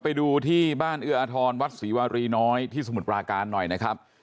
ไปดูที่บ้านเอื้ออทรวัดศรีวารีน้อยที่สมุทรปราการหน่อยนะครับ